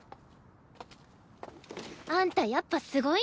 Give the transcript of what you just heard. あんたやっぱすごいんだね。